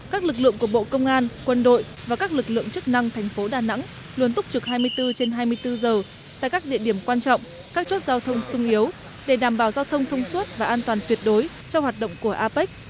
các lực lượng của bộ công an quân đội và các lực lượng chức năng thành phố đà nẵng luôn túc trực hai mươi bốn trên hai mươi bốn giờ tại các địa điểm quan trọng các chốt giao thông sung yếu để đảm bảo giao thông thông suốt và an toàn tuyệt đối cho hoạt động của apec